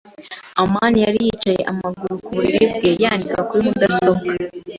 amani yari yicaye amaguru ku buriri bwe, yandika kuri mudasobwa ye.